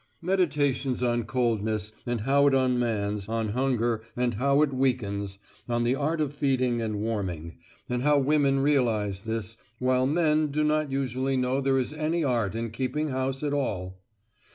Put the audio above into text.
Meditations on coldness, and how it unmans on hunger, and how it weakens on the art of feeding and warming, and how women realise this, while men do not usually know there is any art in keeping house at all!